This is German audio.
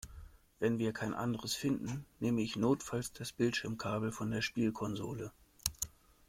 Wenn wir kein anderes finden, nehme ich notfalls das Bildschirmkabel von der Spielkonsole.